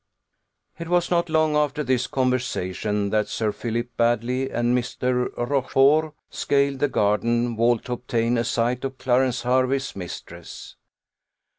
It was not long after this conversation that Sir Philip Baddely and Mr. Rochfort scaled the garden wall, to obtain a sight of Clarence Hervey's mistress.